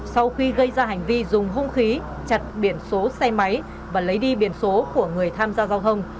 sau khi gây ra hành vi dùng hung khí chặt biển số xe máy và lấy đi biển số của người tham gia giao thông